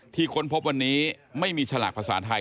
ค้นพบวันนี้ไม่มีฉลากภาษาไทย